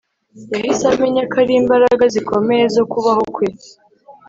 yahise amenya ko ari imbaraga zikomeye zo kubaho kwe!